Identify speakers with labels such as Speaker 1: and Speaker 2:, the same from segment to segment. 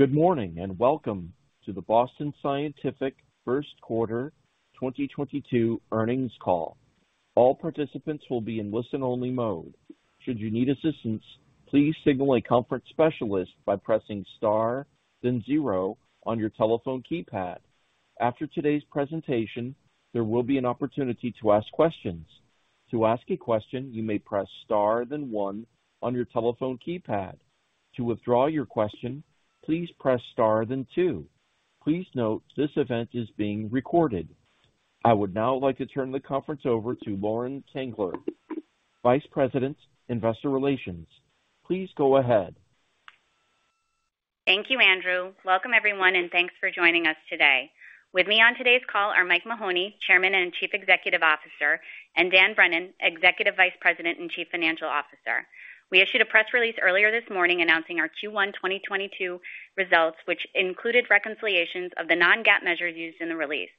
Speaker 1: Good morning, and welcome to the Boston Scientific First Quarter 2022 Earnings Call. All participants will be in listen-only mode. Should you need assistance, please signal a conference specialist by pressing star, then zero on your telephone keypad. After today's presentation, there will be an opportunity to ask questions. To ask a question, you may press star then one on your telephone keypad. To withdraw your question, please press star then two. Please note this event is being recorded. I would now like to turn the conference over to Lauren Tengler, Vice President, Investor Relations. Please go ahead.
Speaker 2: Thank you, Andrew. Welcome, everyone, and thanks for joining us today. With me on today's call are Mike Mahoney, Chairman and Chief Executive Officer, and Dan Brennan, Executive Vice President and Chief Financial Officer. We issued a press release earlier this morning announcing our Q1 2022 results, which included reconciliations of the non-GAAP measures used in the release.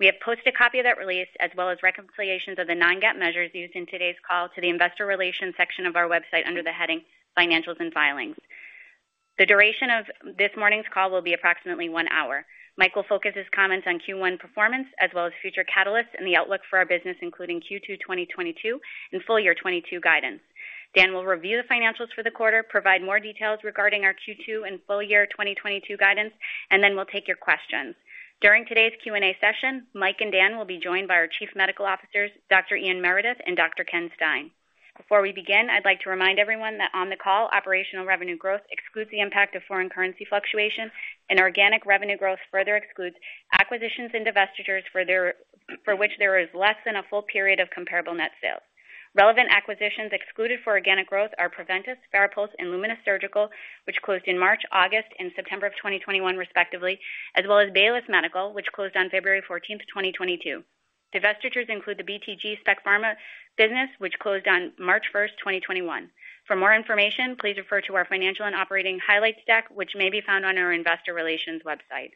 Speaker 2: We have posted a copy of that release, as well as reconciliations of the non-GAAP measures used in today's call to the investor relations section of our website under the heading Financials and Filings. The duration of this morning's call will be approximately one hour. Mike will focus his comments on Q1 performance as well as future catalysts and the outlook for our business, including Q2 2022 and full-year 2022 guidance. Dan will review the financials for the quarter, provide more details regarding our Q2 and full year 2022 guidance, and then we'll take your questions. During today's Q&A session, Mike and Dan will be joined by our Chief Medical Officers, Dr. Ian Meredith and Dr. Ken Stein. Before we begin, I'd like to remind everyone that on the call, operational revenue growth excludes the impact of foreign currency fluctuations and organic revenue growth further excludes acquisitions and divestitures for which there is less than a full period of comparable net sales. Relevant acquisitions excluded for organic growth are Preventice, Farapulse, and Lumenis, which closed in March, August, and September of 2021 respectively, as well as Baylis Medical, which closed on February 14, 2022. Divestitures include the BTG Specialty Pharmaceuticals business, which closed on March 1, 2021. For more information, please refer to our financial and operating highlights deck, which may be found on our investor relations website.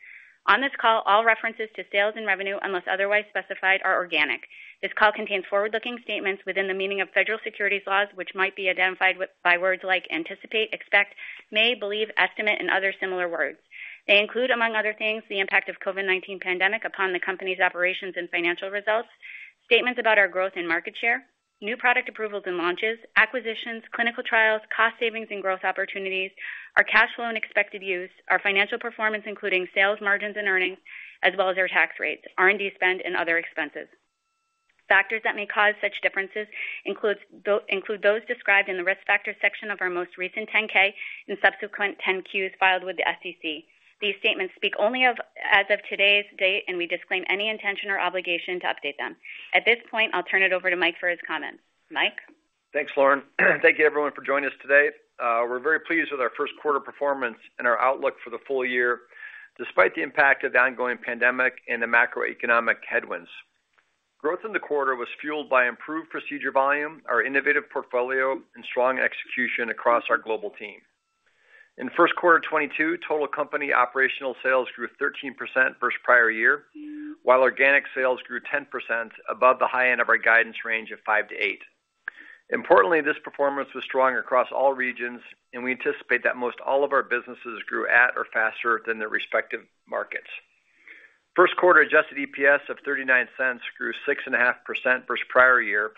Speaker 2: On this call, all references to sales and revenue, unless otherwise specified, are organic. This call contains forward-looking statements within the meaning of federal securities laws, which might be identified by words like anticipate, expect, may, believe, estimate, and other similar words. They include, among other things, the impact of COVID-19 pandemic upon the company's operations and financial results, statements about our growth and market share, new product approvals and launches, acquisitions, clinical trials, cost savings and growth opportunities, our cash flow and expected use, our financial performance, including sales, margins and earnings, as well as our tax rates, R&D spend and other expenses. Factors that may cause such differences include those described in the Risk Factors section of our most recent 10-K and subsequent 10-Qs filed with the SEC. These statements speak only as of today's date, and we disclaim any intention or obligation to update them. At this point, I'll turn it over to Mike for his comments. Mike?
Speaker 3: Thanks, Lauren. Thank you everyone for joining us today. We're very pleased with our first quarter performance and our outlook for the full year, despite the impact of the ongoing pandemic and the macroeconomic headwinds. Growth in the quarter was fueled by improved procedure volume, our innovative portfolio and strong execution across our global team. In first quarter 2022, total company operational sales grew 13% versus prior year, while organic sales grew 10% above the high end of our guidance range of 5%-8%. Importantly, this performance was strong across all regions, and we anticipate that most all of our businesses grew at or faster than their respective markets. First quarter adjusted EPS of $0.39 grew 6.5% versus prior year,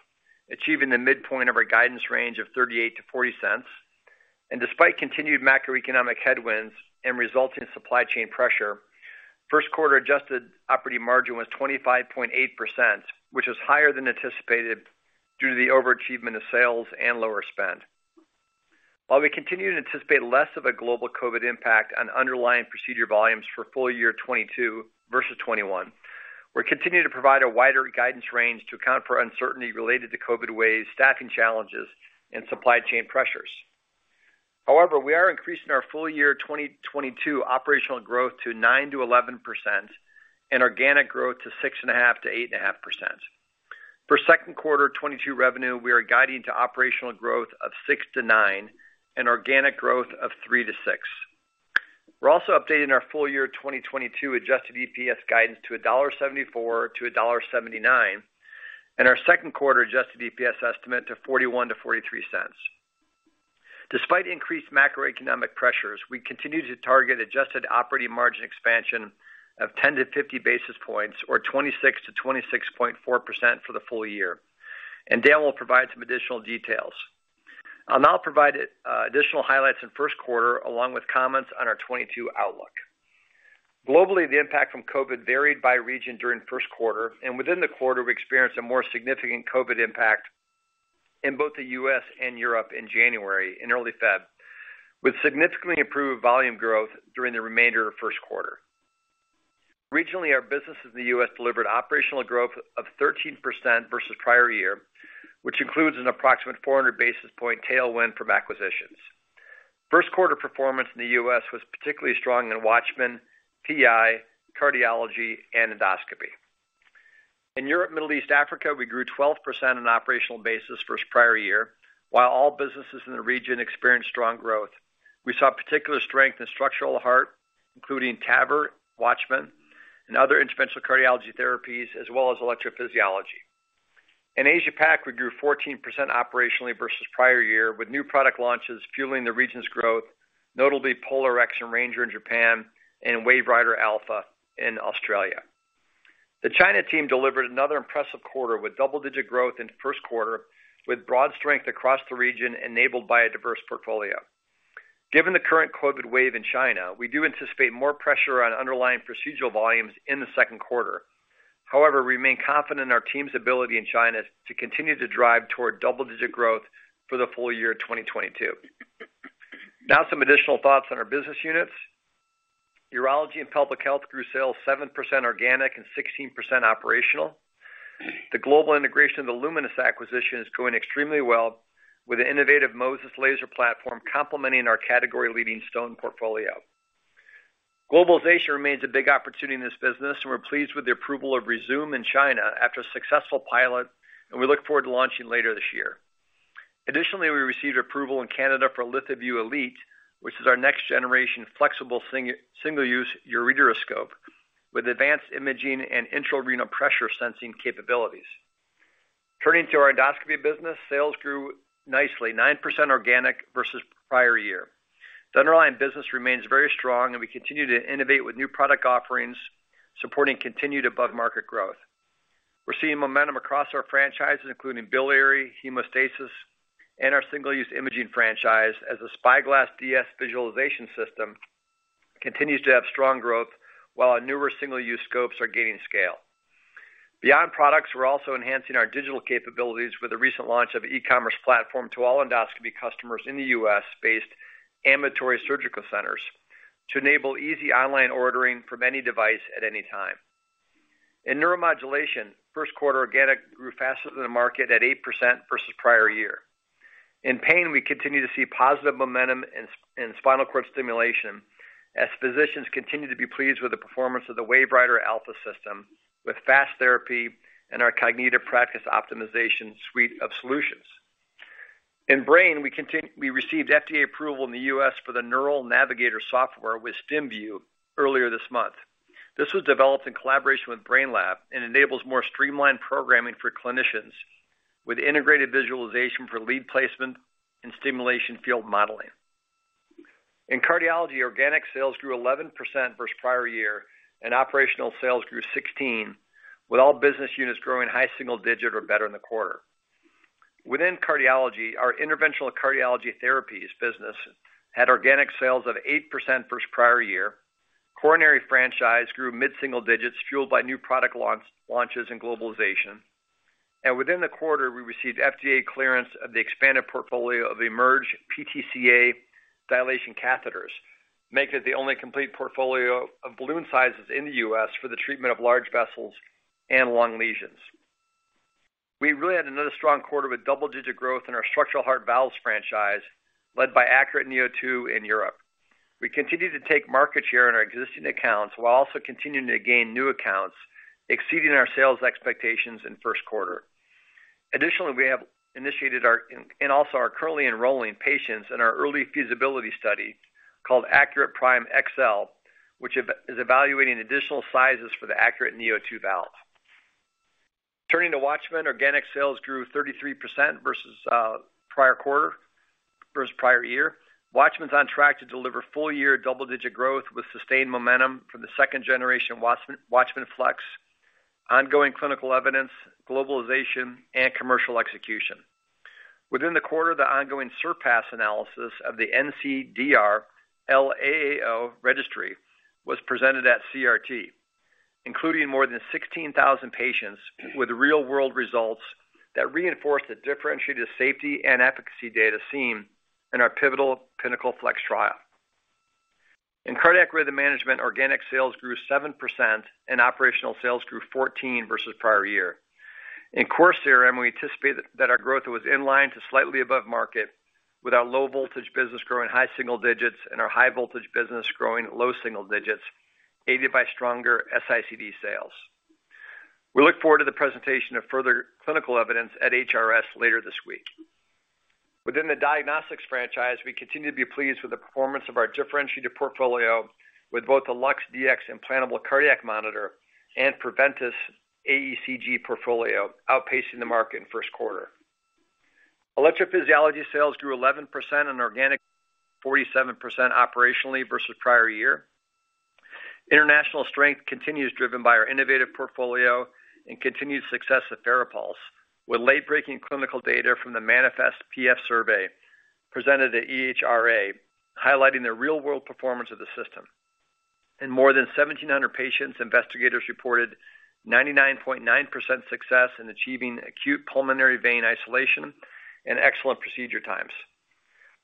Speaker 3: achieving the midpoint of our guidance range of $0.38-$0.40. Despite continued macroeconomic headwinds and resulting supply chain pressure, first quarter adjusted operating margin was 25.8%, which is higher than anticipated due to the overachievement of sales and lower spend. While we continue to anticipate less of a global COVID impact on underlying procedure volumes for full-year 2022 versus 2021, we're continuing to provide a wider guidance range to account for uncertainty related to COVID waves, staffing challenges and supply chain pressures. However, we are increasing our full-year 2022 operational growth to 9%-11% and organic growth to 6.5%-8.5%. For second quarter 2022 revenue, we are guiding to operational growth of 6%-9% and organic growth of 3%-6%. We're also updating our full-year 2022 adjusted EPS guidance to $1.74-$1.79, and our second quarter adjusted EPS estimate to $0.41-$0.43. Despite increased macroeconomic pressures, we continue to target adjusted operating margin expansion of 10-50 basis points or 26%-26.4% for the full-year. Dan will provide some additional details. I'll now provide additional highlights in first quarter along with comments on our 2022 outlook. Globally, the impact from COVID varied by region during first quarter, and within the quarter we experienced a more significant COVID impact in both the U.S. and Europe in January and early February, with significantly improved volume growth during the remainder of first quarter. Regionally, our business in the U.S. delivered operational growth of 13% versus prior year, which includes an approximate 400 basis points tailwind from acquisitions. First quarter performance in the U.S. was particularly strong in WATCHMAN, PI, cardiology and endoscopy. In Europe, Middle East, Africa, we grew 12% on an operational basis versus prior year. While all businesses in the region experienced strong growth, we saw particular strength in structural heart, including TAVR, WATCHMAN and other interventional cardiology therapies as well as electrophysiology. In Asia Pac, we grew 14% operationally versus prior year with new product launches fueling the region's growth, notably POLARx and Ranger in Japan and WaveWriter Alpha in Australia. The China team delivered another impressive quarter with double-digit growth in the first quarter, with broad strength across the region enabled by a diverse portfolio. Given the current COVID wave in China, we do anticipate more pressure on underlying procedural volumes in the second quarter. However, we remain confident in our team's ability in China to continue to drive toward double-digit growth for the full-year 2022. Now some additional thoughts on our business units. Urology and Pelvic Health grew sales 7% organic and 16% operational. The global integration of the Lumenis acquisition is going extremely well with the innovative MOSES laser platform complementing our category-leading stone portfolio. Globalization remains a big opportunity in this business, and we're pleased with the approval of Rezūm in China after a successful pilot, and we look forward to launching later this year. Additionally, we received approval in Canada for LithoVue Elite, which is our next-generation flexible single-use ureteroscope with advanced imaging and intra-renal pressure sensing capabilities. Turning to our endoscopy business, sales grew nicely 9% organic versus prior year. The underlying business remains very strong, and we continue to innovate with new product offerings supporting continued above-market growth. We're seeing momentum across our franchises, including biliary, hemostasis, and our single-use imaging franchise as the SpyGlass DS visualization system continues to have strong growth while our newer single-use scopes are gaining scale. Beyond products, we're also enhancing our digital capabilities with the recent launch of e-commerce platform to all endoscopy customers in the U.S.-based ambulatory surgical centers to enable easy online ordering from any device at any time. In neuromodulation, first quarter organic grew faster than the market at 8% versus prior year. In pain, we continue to see positive momentum in spinal cord stimulation as physicians continue to be pleased with the performance of the WaveWriter Alpha system with FAST therapy and our Cognita Practice Optimization suite of solutions. In brain, we continue. We received FDA approval in the U.S. for the Neural Navigator software with STIMVIEW earlier this month. This was developed in collaboration with Brainlab and enables more streamlined programming for clinicians with integrated visualization for lead placement and stimulation field modeling. In cardiology, organic sales grew 11% versus prior year, and operational sales grew 16%, with all business units growing high single-digit or better in the quarter. Within cardiology, our interventional cardiology therapies business had organic sales of 8% versus prior year. Coronary franchise grew mid-single digits, fueled by new product launches and globalization. Within the quarter, we received FDA clearance of the expanded portfolio of the EMERGE PTCA Dilatation Catheter, making it the only complete portfolio of balloon sizes in the U.S. for the treatment of large vessels and long lesions. We really had another strong quarter with double-digit growth in our structural heart valves franchise, led by ACURATE neo2 in Europe. We continue to take market share in our existing accounts, while also continuing to gain new accounts, exceeding our sales expectations in first quarter. Additionally, we have initiated our early feasibility study called ACURATE Prime XL, which is evaluating additional sizes for the ACURATE neo2 valve. Turning to WATCHMAN, organic sales grew 33% versus prior year. WATCHMAN is on track to deliver full-year double-digit growth with sustained momentum from the second-generation WATCHMAN FLX, ongoing clinical evidence, globalization, and commercial execution. Within the quarter, the ongoing SURPASS analysis of the NCDR-LAAO registry was presented at CRT, including more than 16,000 patients with real-world results that reinforce the differentiated safety and efficacy data seen in our pivotal PINNACLE FLX trial. In cardiac rhythm management, organic sales grew 7% and operational sales grew 14% versus prior year. In Core CRM, we anticipate that our growth was in line to slightly above market, with our low voltage business growing high single digits and our high voltage business growing low single digits, aided by stronger S-ICD sales. We look forward to the presentation of further clinical evidence at HRS later this week. Within the diagnostics franchise, we continue to be pleased with the performance of our differentiated portfolio with both the LUX-Dx Implantable Cardiac Monitor and Preventice AECG portfolio outpacing the market in first quarter. Electrophysiology sales grew 11% on organic, 47% operationally versus prior year. International strength continues driven by our innovative portfolio and continued success of FARAPULSE with late-breaking clinical data from the MANIFEST-PF survey presented at EHRA, highlighting the real-world performance of the system. In more than 1,700 patients, investigators reported 99.9% success in achieving acute pulmonary vein isolation and excellent procedure times.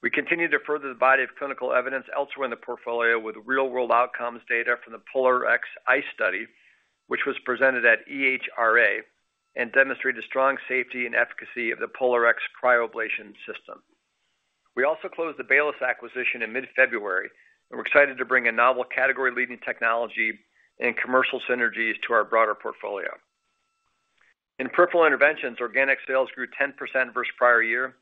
Speaker 3: We continue to further the body of clinical evidence elsewhere in the portfolio with real-world outcomes data from the POLARx ICE study, which was presented at EHRA and demonstrated a strong safety and efficacy of the POLARx cryoablation system. We also closed the Baylis acquisition in mid-February, and we're excited to bring a novel category-leading technology and commercial synergies to our broader portfolio. In peripheral interventions, organic sales grew 10% versus prior year.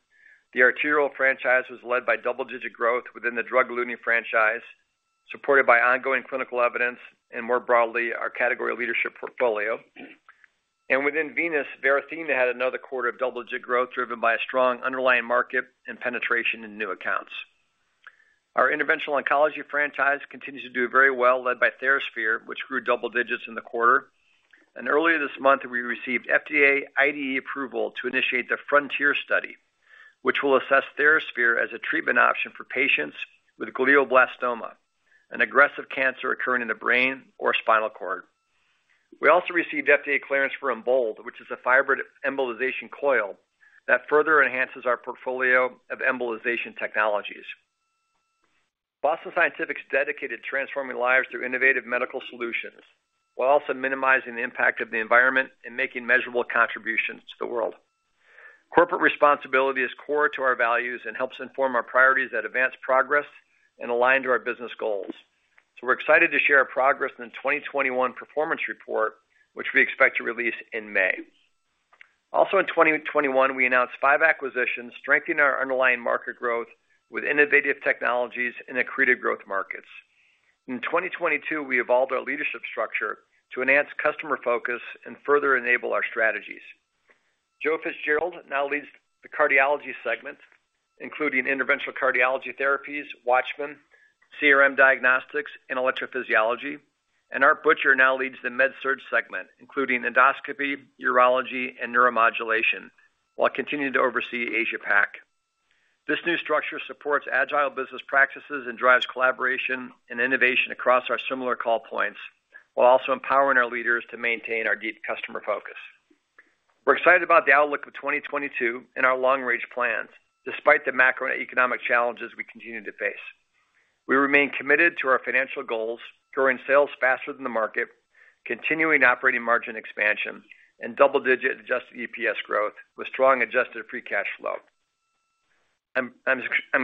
Speaker 3: The arterial franchise was led by double-digit growth within the drug-eluting franchise, supported by ongoing clinical evidence and, more broadly, our category leadership portfolio. Within venous, Varithena had another quarter of double-digit growth, driven by a strong underlying market and penetration in new accounts. Our interventional oncology franchise continues to do very well, led by TheraSphere, which grew double digits in the quarter. Earlier this month, we received FDA IDE approval to initiate the FRONTIER study, which will assess TheraSphere as a treatment option for patients with glioblastoma, an aggressive cancer occurring in the brain or spinal cord. We also received FDA clearance for EMBOLD, which is a fiber embolization coil that further enhances our portfolio of embolization technologies. Boston Scientific's dedicated to transforming lives through innovative medical solutions, while also minimizing the impact of the environment and making measurable contributions to the world. Corporate responsibility is core to our values and helps inform our priorities that advance progress and align to our business goals. We're excited to share our progress in the 2021 performance report, which we expect to release in May. Also in 2021, we announced five acquisitions, strengthening our underlying market growth with innovative technologies in accretive growth markets. In 2022, we evolved our leadership structure to enhance customer focus and further enable our strategies. Joe Fitzgerald now leads the cardiology segment, including interventional cardiology therapies, WATCHMAN, CRM diagnostics, and electrophysiology. Art Butcher now leads the MedSurg segment, including endoscopy, urology, and neuromodulation, while continuing to oversee Asia-PAC. This new structure supports agile business practices and drives collaboration and innovation across our similar call points, while also empowering our leaders to maintain our deep customer focus. We're excited about the outlook of 2022 and our long-range plans, despite the macroeconomic challenges we continue to face. We remain committed to our financial goals, growing sales faster than the market, continuing operating margin expansion, and double-digit adjusted EPS growth with strong adjusted free cash flow. I'm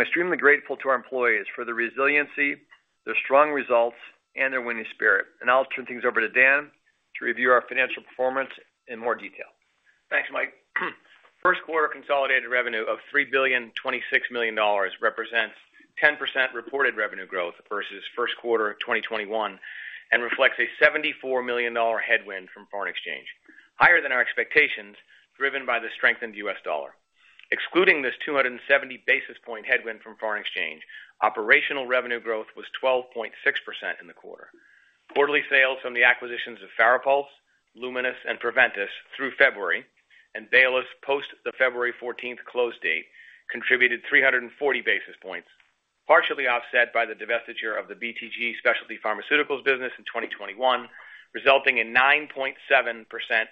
Speaker 3: extremely grateful to our employees for their resiliency, their strong results, and their winning spirit. I'll turn things over to Dan to review our financial performance in more detail.
Speaker 4: Thanks, Mike. First quarter consolidated revenue of $3.026 billion represents 10% reported revenue growth versus first quarter of 2021, and reflects a $74 million headwind from foreign exchange, higher than our expectations, driven by the strengthened U.S. dollar. Excluding this 270 basis point headwind from foreign exchange, operational revenue growth was 12.6% in the quarter. Quarterly sales from the acquisitions of Farapulse, Lumenis, and Preventice through February, and Baylis post the February 14 close date contributed 340 basis points, partially offset by the divestiture of the BTG Specialty Pharmaceuticals business in 2021, resulting in 9.7%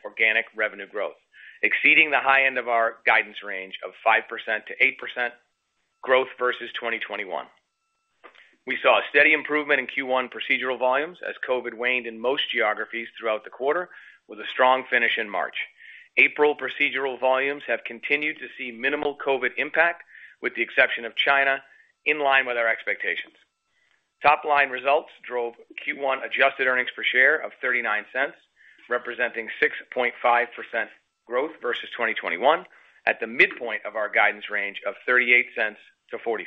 Speaker 4: organic revenue growth, exceeding the high end of our guidance range of 5%-8% growth versus 2021. We saw a steady improvement in Q1 procedural volumes as COVID waned in most geographies throughout the quarter, with a strong finish in March. April procedural volumes have continued to see minimal COVID impact, with the exception of China, in line with our expectations. Top-line results drove Q1 adjusted earnings per share of $0.39, representing 6.5% growth versus 2021, at the midpoint of our guidance range of $0.38-$0.40.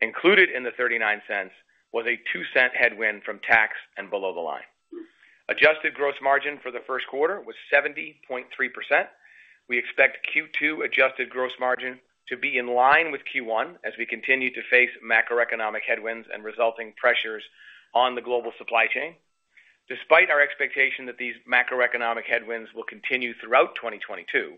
Speaker 4: Included in the $0.39 was a $0.02 headwind from tax and below the line. Adjusted gross margin for the first quarter was 70.3%. We expect Q2 adjusted gross margin to be in line with Q1 as we continue to face macroeconomic headwinds and resulting pressures on the global supply chain. Despite our expectation that these macroeconomic headwinds will continue throughout 2022,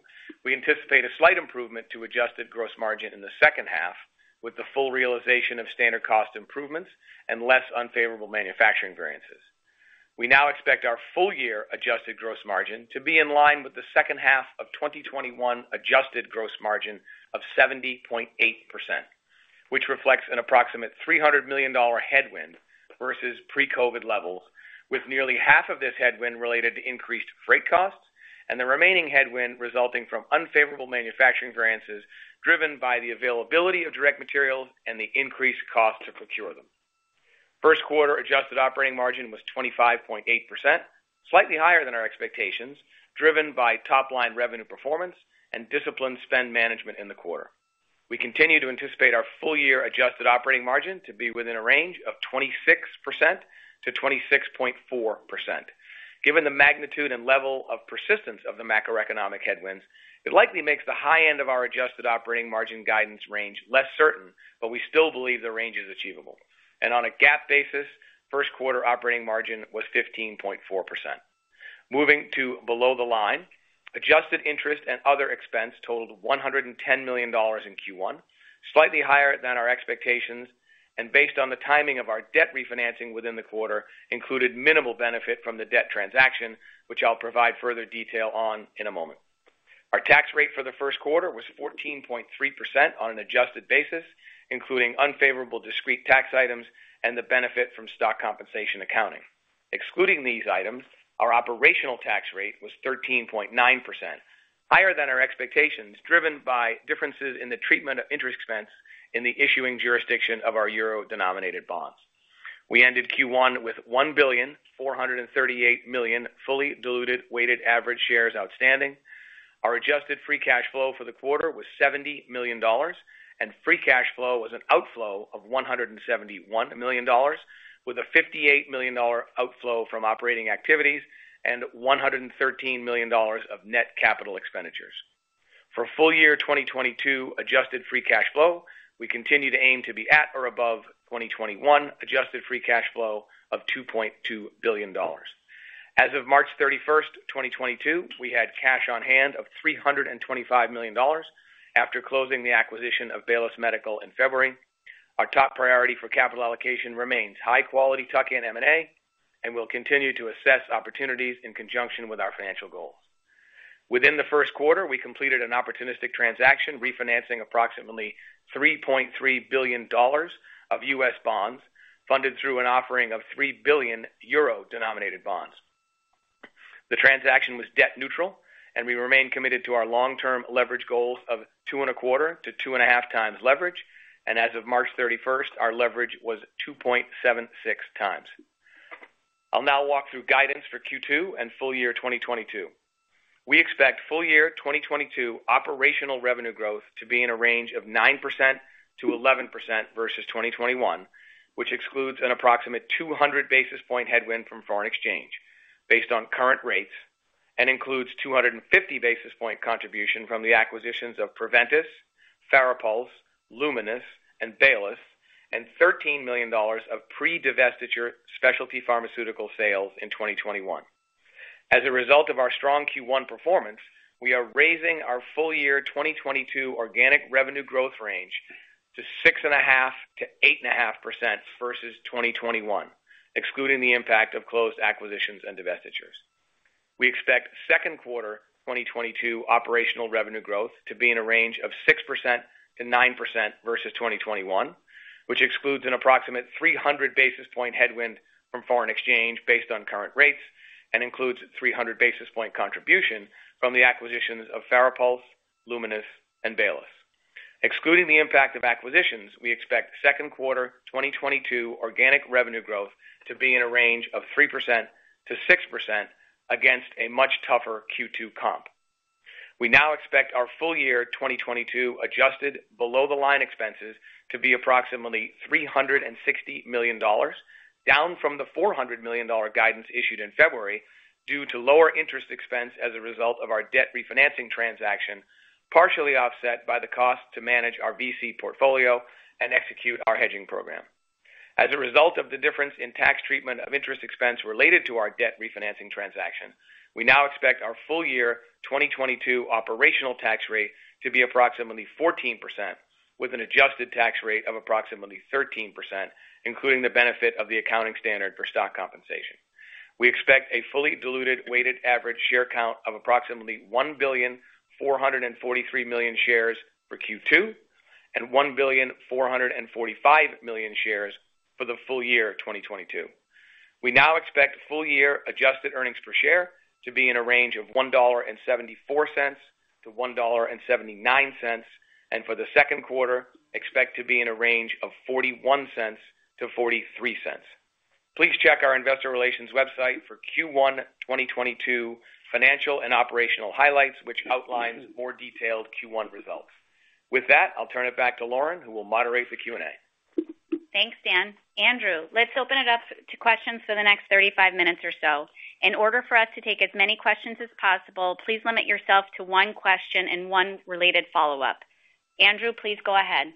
Speaker 4: we anticipate a slight improvement to adjusted gross margin in the second half with the full realization of standard cost improvements and less unfavorable manufacturing variances. We now expect our full-year adjusted gross margin to be in line with the second half of 2021 adjusted gross margin of 70.8%, which reflects an approximate $300 million headwind versus pre-COVID levels, with nearly half of this headwind related to increased freight costs and the remaining headwind resulting from unfavorable manufacturing variances driven by the availability of direct materials and the increased cost to procure them. First quarter adjusted operating margin was 25.8%, slightly higher than our expectations, driven by top line revenue performance and disciplined spend management in the quarter. We continue to anticipate our full-year adjusted operating margin to be within a range of 26%-26.4%. Given the magnitude and level of persistence of the macroeconomic headwinds, it likely makes the high end of our adjusted operating margin guidance range less certain, but we still believe the range is achievable. On a GAAP basis, first quarter operating margin was 15.4%. Moving to below the line. Adjusted interest and other expense totaled $110 million in Q1, slightly higher than our expectations, and based on the timing of our debt refinancing within the quarter, included minimal benefit from the debt transaction, which I'll provide further detail on in a moment. Our tax rate for the first quarter was 14.3% on an adjusted basis, including unfavorable discrete tax items and the benefit from stock compensation accounting. Excluding these items, our operational tax rate was 13.9%, higher than our expectations, driven by differences in the treatment of interest expense in the issuing jurisdiction of our euro-denominated bonds. We ended Q1 with 1,438 million fully diluted weighted average shares outstanding. Our adjusted free cash flow for the quarter was $70 million, and free cash flow was an outflow of $171 million, with a $58 million outflow from operating activities and $113 million of net capital expenditures. For full-year 2022 adjusted free cash flow, we continue to aim to be at or above 2021 adjusted free cash flow of $2.2 billion. As of March 31, 2022, we had cash on hand of $325 million after closing the acquisition of Baylis Medical in February. Our top priority for capital allocation remains high-quality tuck-in M&A, and we'll continue to assess opportunities in conjunction with our financial goals. Within the first quarter, we completed an opportunistic transaction refinancing approximately $3.3 billion of U.S. bonds, funded through an offering of 3 billion euro-denominated bonds. The transaction was debt neutral, and we remain committed to our long-term leverage goals of 2.25-2.5x leverage. As of March 31, our leverage was 2.76x. I'll now walk through guidance for Q2 and full-year 2022. We expect full-year 2022 operational revenue growth to be in a range of 9%-11% versus 2021, which excludes an approximate 200 basis point headwind from foreign exchange based on current rates and includes 250 basis point contribution from the acquisitions of Preventice, Farapulse, Lumenis, and Baylis, and $13 million of pre-divestiture specialty pharmaceutical sales in 2021. As a result of our strong Q1 performance, we are raising our full-year 2022 organic revenue growth range to 6.5%-8.5% versus 2021, excluding the impact of closed acquisitions and divestitures. We expect second-quarter 2022 operational revenue growth to be in a range of 6%-9% versus 2021, which excludes an approximate 300 basis point headwind from foreign exchange based on current rates and includes 300 basis point contribution from the acquisitions of Farapulse, Lumenis, and Baylis. Excluding the impact of acquisitions, we expect second-quarter 2022 organic revenue growth to be in a range of 3%-6% against a much tougher Q2 comp. We now expect our full-year 2022 adjusted below-the-line expenses to be approximately $360 million, down from the $400 million guidance issued in February due to lower interest expense as a result of our debt refinancing transaction, partially offset by the cost to manage our VC portfolio and execute our hedging program. As a result of the difference in tax treatment of interest expense related to our debt refinancing transaction, we now expect our full-year 2022 operational tax rate to be approximately 14%, with an adjusted tax rate of approximately 13%, including the benefit of the accounting standard for stock compensation. We expect a fully diluted weighted average share count of approximately 1,443 million shares for Q2 and 1,445 million shares for the full-year 2022. We now expect full-year adjusted earnings per share to be in a range of $1.74-$1.79, and for the second quarter, expect to be in a range of $0.41-$0.43. Please check our investor relations website for Q1 2022 financial and operational highlights, which outlines more detailed Q1 results. With that, I'll turn it back to Lauren, who will moderate the Q&A.
Speaker 2: Thanks, Dan. Andrew, let's open it up to questions for the next 35 minutes or so. In order for us to take as many questions as possible, please limit yourself to one question and one related follow-up. Andrew, please go ahead.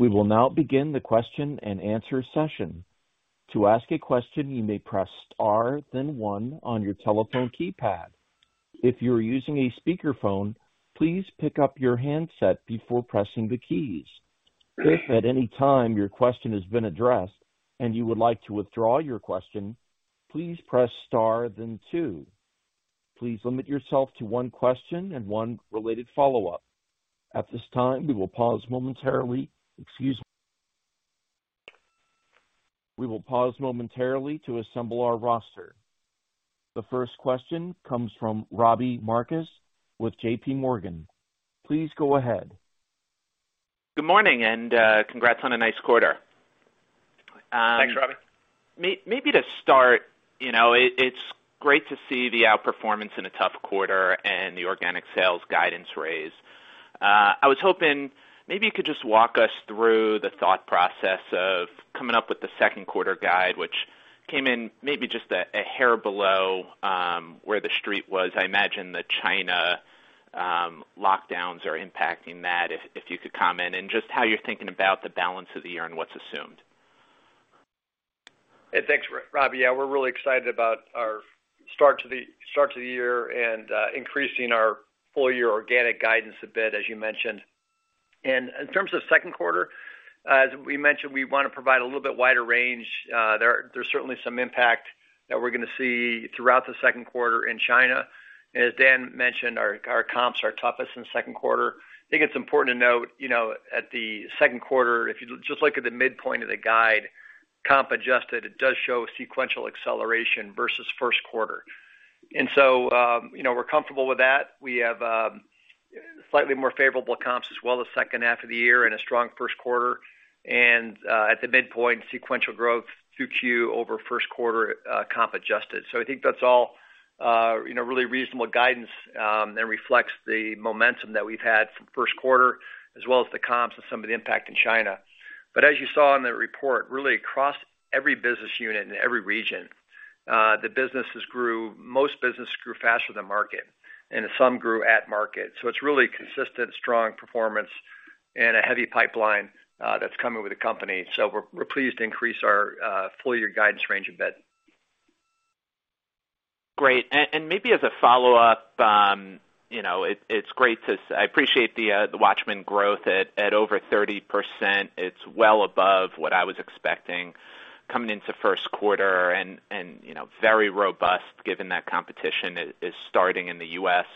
Speaker 1: We will now begin the question-and-answer session. To ask a question, you may press star, then one on your telephone keypad. If you are using a speakerphone, please pick up your handset before pressing the keys. If at any time your question has been addressed and you would like to withdraw your question, please press star, then two. Please limit yourself to one question and one related follow-up. At this time, we will pause momentarily. Excuse me. We will pause momentarily to assemble our roster. The first question comes from Robbie Marcus with JPMorgan. Please go ahead.
Speaker 5: Good morning, congrats on a nice quarter.
Speaker 3: Thanks, Robbie.
Speaker 5: Maybe to start, you know, it's great to see the outperformance in a tough quarter and the organic sales guidance raise. I was hoping maybe you could just walk us through the thought process of coming up with the second quarter guide, which came in maybe just a hair below where the street was. I imagine the China lockdowns are impacting that, if you could comment, and just how you're thinking about the balance of the year and what's assumed.
Speaker 3: Thanks, Robbie. Yeah, we're really excited about our start to the year and increasing our full-year organic guidance a bit, as you mentioned. In terms of second quarter, as we mentioned, we wanna provide a little bit wider range. There's certainly some impact that we're gonna see throughout the second quarter in China. As Dan mentioned, our comps are toughest in the second quarter. I think it's important to note, you know, at the second quarter, if you just look at the midpoint of the guide, comp adjusted, it does show sequential acceleration versus first quarter. You know, we're comfortable with that. We have slightly more favorable comps as well as second half of the year and a strong first quarter, and at the midpoint sequential growth through Q over first quarter, comp adjusted. I think that's all, you know, really reasonable guidance that reflects the momentum that we've had from first quarter as well as the comps and some of the impact in China. As you saw in the report, really across every business unit in every region, the businesses grew. Most businesses grew faster than market and some grew at market. It's really consistent, strong performance and a heavy pipeline that's coming with the company. We're pleased to increase our full-year guidance range a bit.
Speaker 5: Great. Maybe as a follow-up, you know, it's great. I appreciate the WATCHMAN growth at over 30%. It's well above what I was expecting coming into first quarter and you know very robust given that competition is starting in the U.S.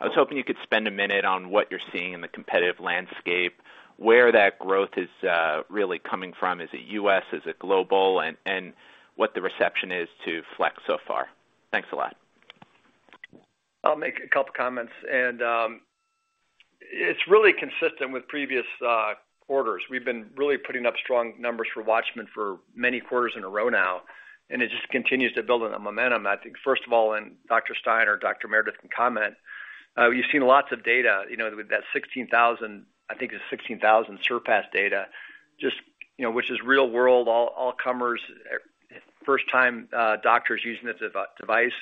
Speaker 5: I was hoping you could spend a minute on what you're seeing in the competitive landscape, where that growth is really coming from. Is it U.S., is it global, and what the reception is to FLX so far? Thanks a lot.
Speaker 3: I'll make a couple of comments. It's really consistent with previous quarters. We've been really putting up strong numbers for WATCHMAN for many quarters in a row now, and it just continues to build on the momentum. I think, first of all, Dr. Stein or Dr. Meredith can comment. We've seen lots of data, you know, with that 16,000, I think it's 16,000 SURPASS data, just, you know, which is real-world, all comers, first-time doctors using this device.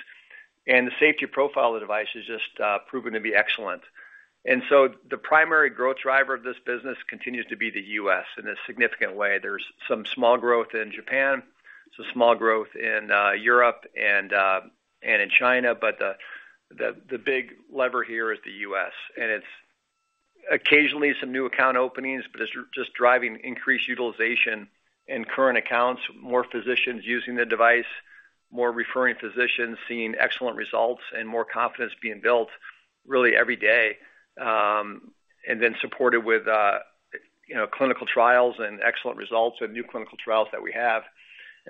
Speaker 3: The safety profile of the device is just proven to be excellent. The primary growth driver of this business continues to be the U.S. in a significant way. There's some small growth in Japan, some small growth in Europe and in China. The big lever here is the U.S., and it's occasionally some new account openings, but it's just driving increased utilization in current accounts, more physicians using the device, more referring physicians seeing excellent results and more confidence being built really every day. Supported with, you know, clinical trials and excellent results of new clinical trials that we have.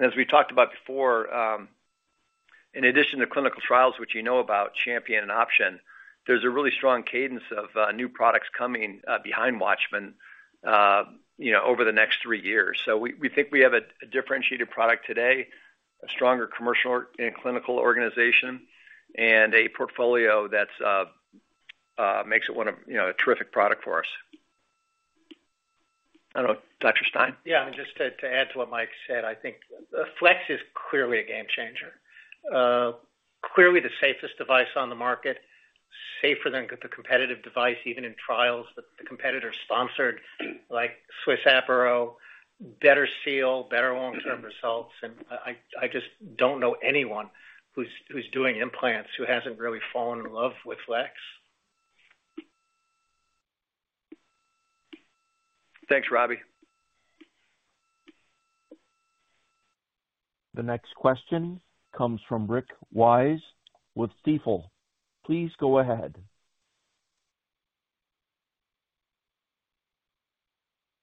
Speaker 3: As we talked about before, in addition to clinical trials, which you know about, CHAMPION and OPTION, there's a really strong cadence of new products coming behind WATCHMAN, you know, over the next three years. We think we have a differentiated product today, a stronger commercial and clinical organization, and a portfolio that's makes it one of, you know, a terrific product for us. I don't know, Dr. Stein.
Speaker 6: Yeah. Just to add to what Mike said, I think FLEX is clearly a game changer. Clearly the safest device on the market, safer than the competitive device, even in trials that the competitor sponsored, like SWISS-APERO, better seal, better long-term results. I just don't know anyone who's doing implants who hasn't really fallen in love with FLEX.
Speaker 3: Thanks, Robbie.
Speaker 1: The next question comes from Rick Wise with Stifel. Please go ahead.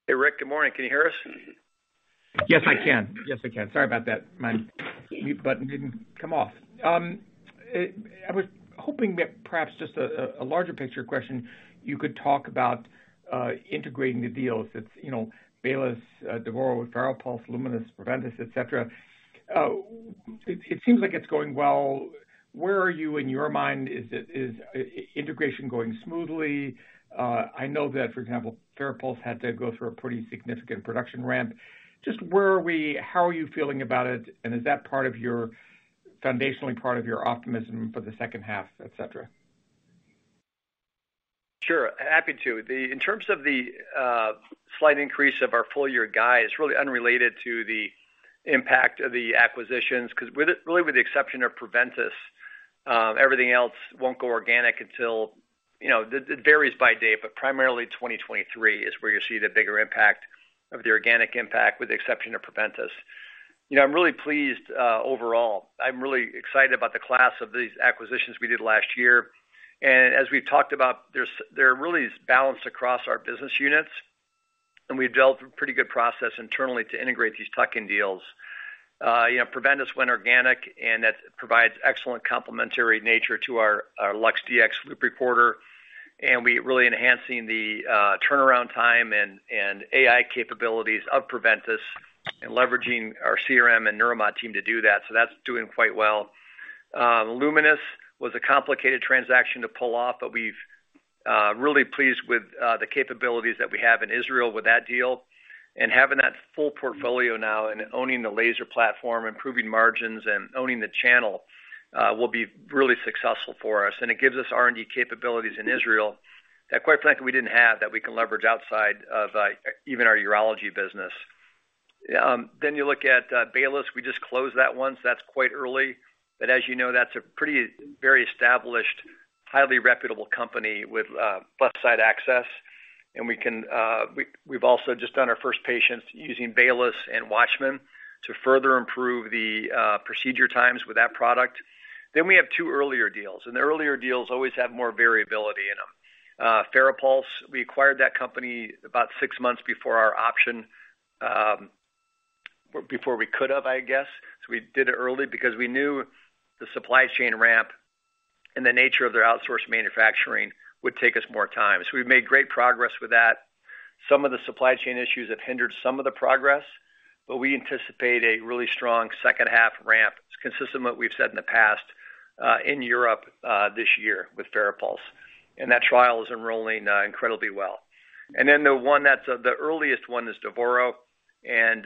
Speaker 3: Hey, Rick. Good morning. Can you hear us?
Speaker 7: Yes, I can. Sorry about that. My mute button didn't come off. I was hoping that perhaps just a larger picture question you could talk about integrating the deals. It's, you know, Baylis Medical, Devoro Medical with FARAPULSE, Lumenis, Preventice, et cetera. It seems like it's going well. Where are you in your mind? Is integration going smoothly? I know that, for example, FARAPULSE had to go through a pretty significant production ramp. Just where are we, how are you feeling about it, and is that part of your foundationally part of your optimism for the second half, et cetera?
Speaker 3: Sure. Happy to. In terms of the slight increase of our full-year guide, it's really unrelated to the impact of the acquisitions, 'cause really with the exception of Preventice, everything else won't go organic until, you know, it varies by date, but primarily 2023 is where you'll see the bigger impact of the organic impact with the exception of Preventice. You know, I'm really pleased overall. I'm really excited about the class of these acquisitions we did last year. As we've talked about, they're really balanced across our business units, and we've built a pretty good process internally to integrate these tuck-in deals. You know, Preventice went organic, and that provides excellent complementary nature to our LUX-Dx loop recorder. We're really enhancing the turnaround time and AI capabilities of Preventice and leveraging our CRM and Neuromod team to do that. That's doing quite well. Lumenis was a complicated transaction to pull off, but we're really pleased with the capabilities that we have in Israel with that deal. Having that full portfolio now and owning the laser platform, improving margins and owning the channel will be really successful for us. It gives us R&D capabilities in Israel that quite frankly, we didn't have, that we can leverage outside of even our urology business. You look at Baylis, we just closed that one, that's quite early. As you know, that's a pretty very established, highly reputable company with left side access. We've also just done our first patients using Baylis and WATCHMAN to further improve the procedure times with that product. We have two earlier deals, and the earlier deals always have more variability in them. FARAPULSE, we acquired that company about six months before our option. Before we could have, I guess. We did it early because we knew the supply chain ramp and the nature of their outsourced manufacturing would take us more time. We've made great progress with that. Some of the supply chain issues have hindered some of the progress, but we anticipate a really strong second half ramp. It's consistent with what we've said in the past, in Europe, this year with FARAPULSE, and that trial is enrolling, incredibly well. Then the one that's the earliest one is Devoro, and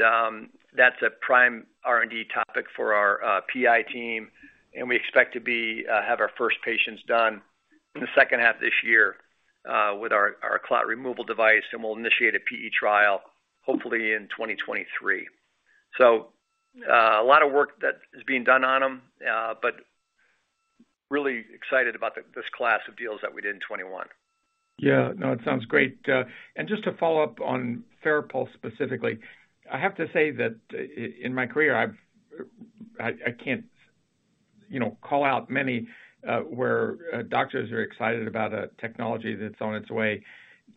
Speaker 3: that's a prime R&D topic for our PI team. We expect to have our first patients done in the second half this year, with our clot removal device, and we'll initiate a PE trial hopefully in 2023. A lot of work that is being done on them, but really excited about this class of deals that we did in 2021.
Speaker 7: Yeah. No, it sounds great. Just to follow up on FARAPULSE specifically, I have to say that in my career, I've I can't, you know, call out many, where doctors are excited about a technology that's on its way.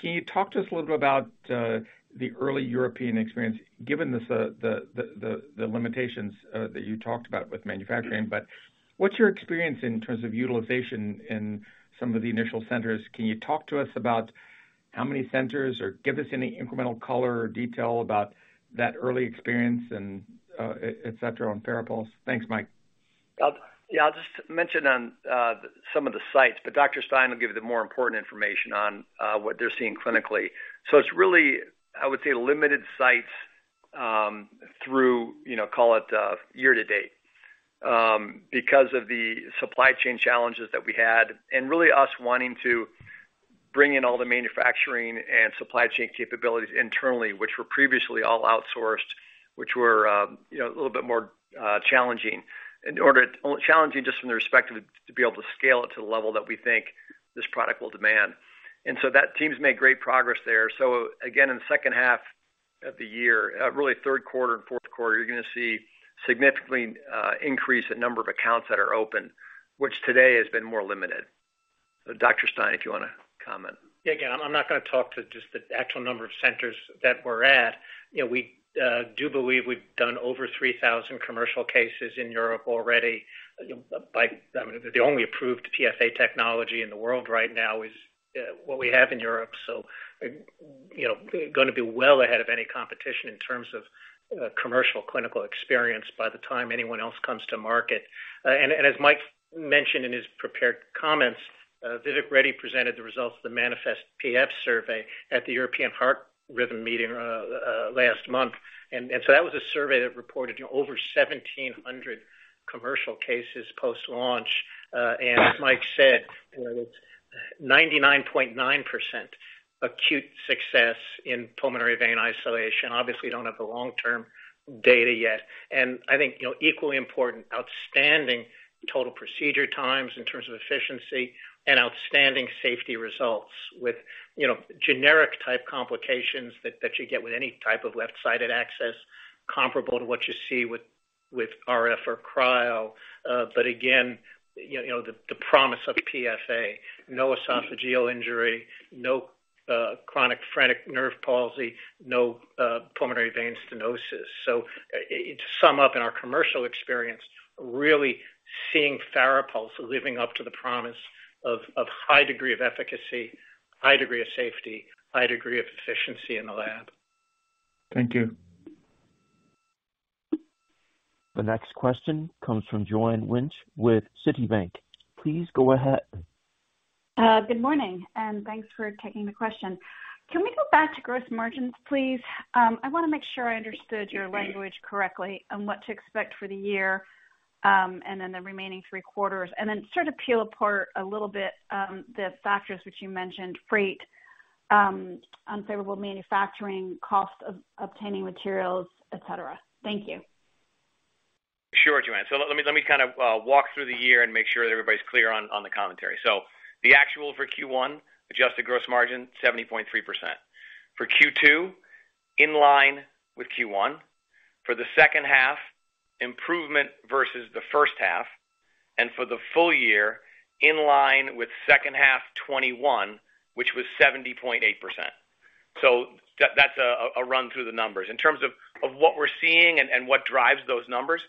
Speaker 7: Can you talk to us a little bit about the early European experience, given this, the limitations that you talked about with manufacturing, but what's your experience in terms of utilization in some of the initial centers? Can you talk to us about how many centers, or give us any incremental color or detail about that early experience and et cetera, on FARAPULSE? Thanks, Mike.
Speaker 3: Yeah, I'll just mention on some of the sites, but Dr. Ken Stein will give you the more important information on what they're seeing clinically. It's really, I would say, limited sites through, you know, call it year to date because of the supply chain challenges that we had and really us wanting to bring in all the manufacturing and supply chain capabilities internally, which were previously all outsourced, which were a little bit more challenging just from the perspective to be able to scale it to the level that we think this product will demand. That team's made great progress there. Again, in the second half of the year, really third quarter and fourth quarter, you're going to see significantly increase the number of accounts that are open, which today has been more limited. Dr. Stein, if you wanna comment.
Speaker 6: Yeah. Again, I'm not gonna talk to just the actual number of centers that we're at. You know, we do believe we've done over 3,000 commercial cases in Europe already. But the only approved PFA technology in the world right now is what we have in Europe. So, you know, gonna be well ahead of any competition in terms of commercial clinical experience by the time anyone else comes to market. And as Mike mentioned in his prepared comments, Vivek Reddy presented the results of the MANIFEST-PF survey at the European Heart Rhythm meeting last month. So that was a survey that reported over 1,700 commercial cases post-launch. And as Mike said, you know, 99.9% acute success in pulmonary vein isolation. Obviously, don't have the long-term data yet. I think, you know, equally important, outstanding total procedure times in terms of efficiency and outstanding safety results with, you know, generic type complications that you get with any type of left-sided access comparable to what you see with RF or cryo. But again, you know, the promise of PFA, no esophageal injury, no chronic phrenic nerve palsy, no pulmonary vein stenosis. To sum up in our commercial experience, really seeing FARAPULSE living up to the promise of high degree of efficacy, high degree of safety, high degree of efficiency in the lab.
Speaker 7: Thank you.
Speaker 1: The next question comes from Joanne Wuensch with Citibank. Please go ahead.
Speaker 8: Good morning, and thanks for taking the question. Can we go back to gross margins, please? I want to make sure I understood your language correctly on what to expect for the year, and then the remaining three quarters, and then sort of peel apart a little bit, the factors which you mentioned, freight, unfavorable manufacturing costs of obtaining materials, et cetera. Thank you.
Speaker 4: Sure, Joanne. Let me kind of walk through the year and make sure that everybody's clear on the commentary. The actual for Q1, adjusted gross margin, 70.3%. For Q2, in line with Q1. For the second half, improvement versus the first half. For the full-year, in line with second half 2021, which was 70.8%. That's a run through the numbers. In terms of what we're seeing and what drives those numbers,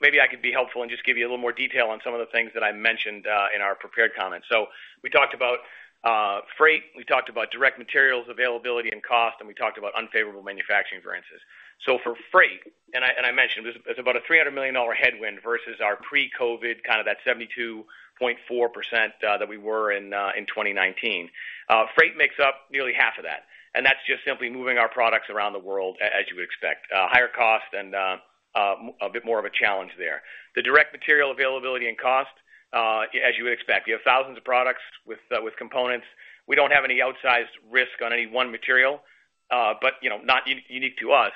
Speaker 4: maybe I could be helpful and just give you a little more detail on some of the things that I mentioned in our prepared comments. We talked about freight, we talked about direct materials availability and cost, and we talked about unfavorable manufacturing variances. For freight, I mentioned, it's about a $300 million headwind versus our pre-COVID, kind of that 72.4%, that we were in 2019. Freight makes up nearly half of that, and that's just simply moving our products around the world, as you would expect. Higher cost and a bit more of a challenge there. The direct material availability and cost, as you would expect. You have thousands of products with components. We don't have any outsized risk on any one material, but you know, not unique to us.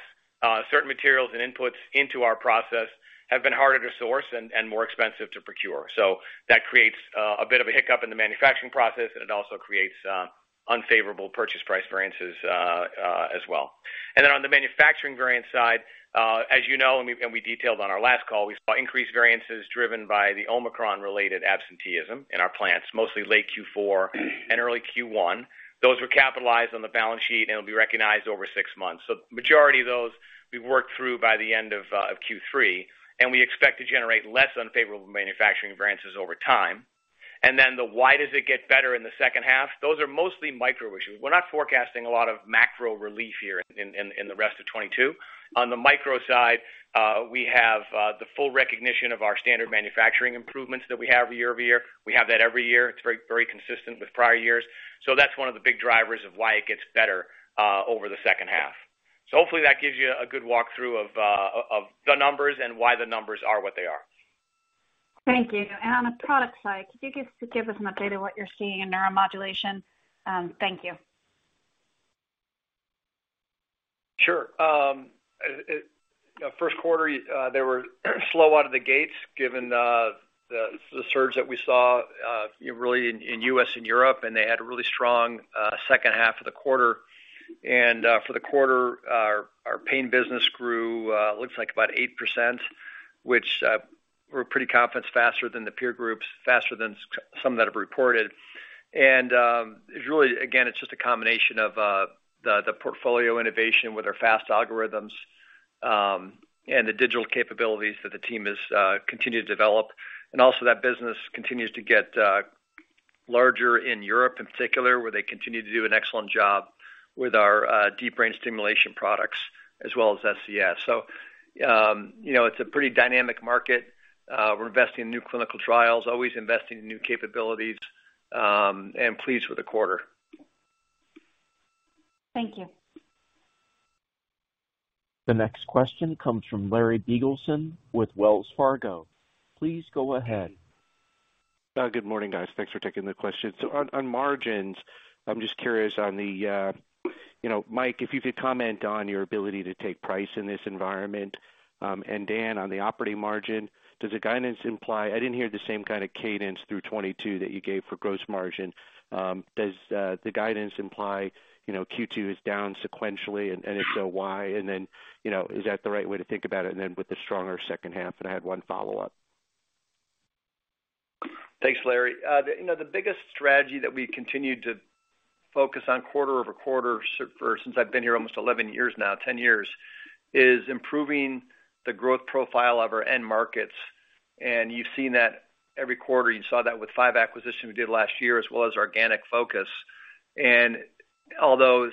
Speaker 4: Certain materials and inputs into our process have been harder to source and more expensive to procure. That creates a bit of a hiccup in the manufacturing process, and it also creates unfavorable purchase price variances as well. On the manufacturing variance side, as you know, and we detailed on our last call, we saw increased variances driven by the Omicron-related absenteeism in our plants, mostly late Q4 and early Q1. Those were capitalized on the balance sheet and will be recognized over six months. Majority of those we've worked through by the end of Q3, and we expect to generate less unfavorable manufacturing variances over time. Then why does it get better in the second half? Those are mostly micro issues. We're not forecasting a lot of macro relief here in the rest of 2022. On the micro side, we have the full recognition of our standard manufacturing improvements that we have year-over-year. We have that every year. It's very, very consistent with prior years. That's one of the big drivers of why it gets better over the second half. Hopefully that gives you a good walkthrough of the numbers and why the numbers are what they are.
Speaker 8: Thank you. On the product side, could you give us an update on what you're seeing in neuromodulation? Thank you.
Speaker 3: Sure. First quarter, they were slow out of the gates given the surge that we saw really in U.S. and Europe, and they had a really strong second half of the quarter. For the quarter, our pain business grew looks like about 8%, which we're pretty confident is faster than the peer groups, faster than some that have reported. It's really again, it's just a combination of the portfolio innovation with our FAST algorithms and the digital capabilities that the team has continued to develop. Also that business continues to get larger in Europe in particular, where they continue to do an excellent job with our deep brain stimulation products as well as SCS. You know, it's a pretty dynamic market. We're investing in new clinical trials, always investing in new capabilities, and pleased with the quarter.
Speaker 8: Thank you.
Speaker 1: The next question comes from Larry Biegelsen with Wells Fargo. Please go ahead.
Speaker 9: Good morning, guys. Thanks for taking the question. On margins, I'm just curious, you know, Mike, if you could comment on your ability to take price in this environment. Dan, on the operating margin, does the guidance imply. I didn't hear the same kind of cadence through 2022 that you gave for gross margin. Does the guidance imply, you know, Q2 is down sequentially, and if so, why? Is that the right way to think about it? With the stronger second half, I had one follow-up.
Speaker 3: Thanks, Larry. You know, the biggest strategy that we continue to focus on quarter over quarter since I've been here almost 11 years now, 10 years, is improving the growth profile of our end markets. You've seen that every quarter. You saw that with five acquisitions we did last year, as well as organic focus. Although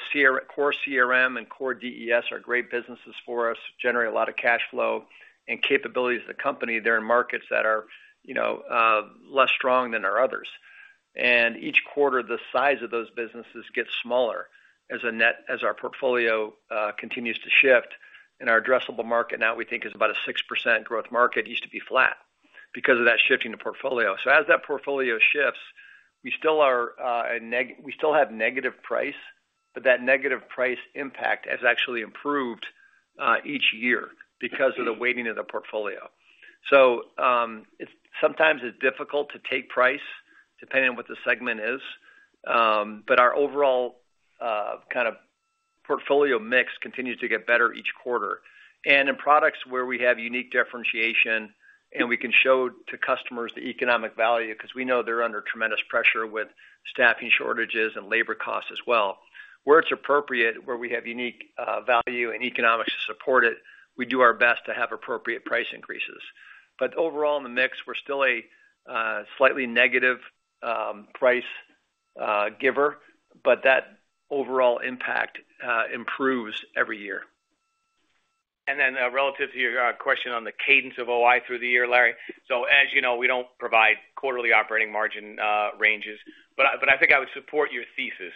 Speaker 3: core CRM and core DES are great businesses for us, generate a lot of cash flow and capabilities of the company, they're in markets that are, you know, less strong than our others. Each quarter, the size of those businesses gets smaller as a net, as our portfolio continues to shift. Our addressable market now we think is about a 6% growth market. It used to be flat because of that shifting the portfolio. As that portfolio shifts, we still have negative price, but that negative price impact has actually improved each year because of the weighting of the portfolio. It's sometimes difficult to take price depending on what the segment is. Our overall portfolio mix continues to get better each quarter. In products where we have unique differentiation and we can show to customers the economic value, because we know they're under tremendous pressure with staffing shortages and labor costs as well. Where it's appropriate, where we have unique value and economics to support it, we do our best to have appropriate price increases. Overall in the mix, we're still a slightly negative price giver, but that overall impact improves every year.
Speaker 4: Relative to your question on the cadence of OI through the year, Larry. As you know, we don't provide quarterly operating margin ranges, but I think I would support your thesis.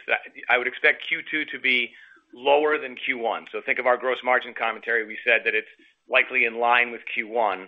Speaker 4: I would expect Q2 to be lower than Q1. Think of our gross margin commentary. We said that it's likely in line with Q1.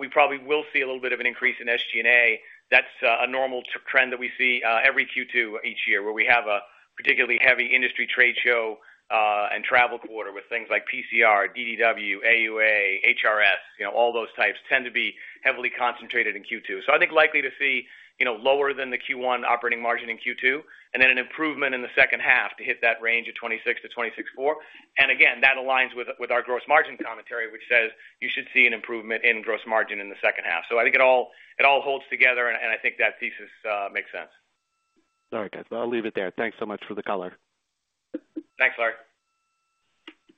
Speaker 4: We probably will see a little bit of an increase in SG&A. That's a normal trend that we see every Q2 each year, where we have a particularly heavy industry trade show and travel quarter with things like PCR, DDW, AUA, HRS. You know, all those types tend to be heavily concentrated in Q2. I think likely to see, you know, lower than the Q1 operating margin in Q2, and then an improvement in the second half to hit that range of 26%-26.4%. That aligns with our gross margin commentary, which says you should see an improvement in gross margin in the second half. I think it all holds together, and I think that thesis makes sense.
Speaker 9: All right, guys. Well, I'll leave it there. Thanks so much for the color.
Speaker 4: Thanks, Larry.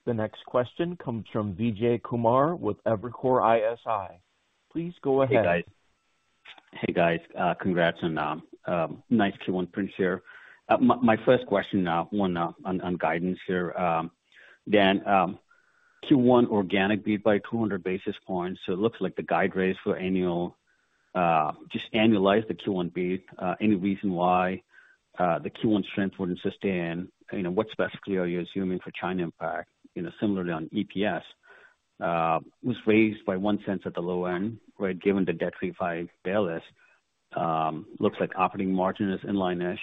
Speaker 1: The next question comes from Vijay Kumar with Evercore ISI. Please go ahead.
Speaker 10: Hey, guys. Congrats on nice Q1 prints here. My first question now one on guidance here. Dan, Q1 organic beat by 200 basis points. So it looks like the guide raise for annual just annualize the Q1 beat. Any reason why the Q1 strength wouldn't sustain? You know, what specifically are you assuming for China impact? You know, similarly on EPS was raised by $0.01 at the low end, where given the debt-free $5 billion balance sheet, looks like operating margin is in line-ish.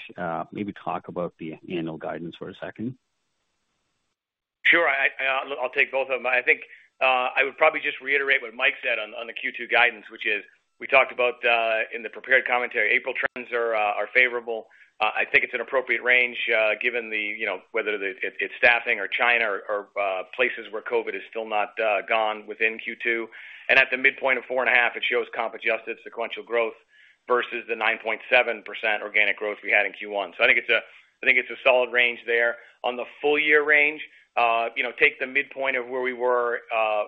Speaker 10: Maybe talk about the annual guidance for a second.
Speaker 4: I'll take both of them. I think I would probably just reiterate what Mike said on the Q2 guidance, which is we talked about in the prepared commentary. April trends are favorable. I think it's an appropriate range given the, you know, whether it's staffing or China or places where COVID is still not gone within Q2. At the midpoint of 4.5%, it shows comp adjusted sequential growth versus the 9.7% organic growth we had in Q1. I think it's a solid range there. On the full-year range, you know, take the midpoint of where we were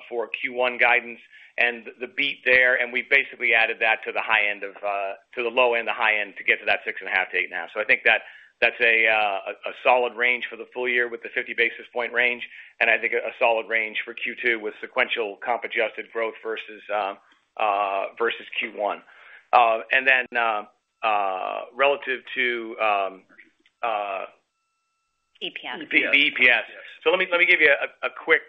Speaker 4: for Q1 guidance and the beat there, and we basically added that to the low end, the high end to get to that 6.5%-8.5%. I think that's a solid range for the full-year with the 50 basis points range, and I think a solid range for Q2 with sequential comp adjusted growth versus Q1.
Speaker 10: The EPS.
Speaker 4: The EPS. Let me give you a quick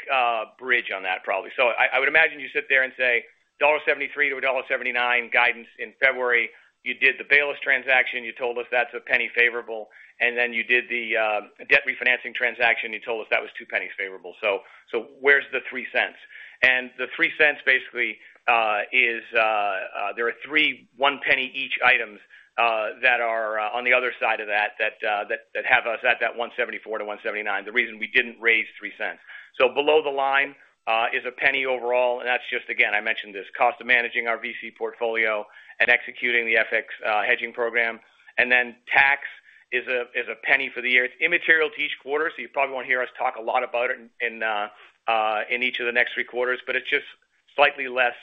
Speaker 4: bridge on that probably. I would imagine you sit there and say $1.73-$1.79 guidance in February. You did the Baylis transaction. You told us that's a penny favorable. Then you did the debt refinancing transaction. You told us that was two pennies favorable. So where's the three cents? The three cents basically is there are three, one penny each items that are on the other side of that that have us at that $1.74-$1.79. The reason we didn't raise three cents. Below the line is a penny overall, and that's just again I mentioned this, cost of managing our VC portfolio and executing the FX hedging program. Tax is a $0.01 for the year. It's immaterial to each quarter, so you probably won't hear us talk a lot about it in each of the next three quarters, but it's just slightly less